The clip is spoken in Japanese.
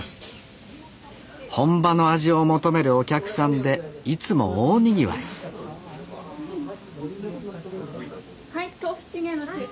本場の味を求めるお客さんでいつも大にぎわいはい豆腐チゲの中辛の方。